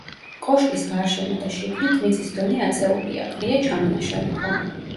კოშკის გარშემო და შიგნით მიწის დონე აწეულია, ყრია ჩამონაშალი ქვა.